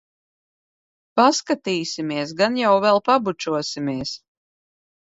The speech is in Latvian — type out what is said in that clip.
Paskatīsimies. Gan jau vēl pabučosimies.